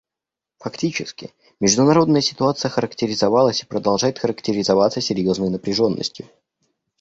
Фактически, международная ситуация характеризовалась и продолжает характеризоваться серьезной напряженностью.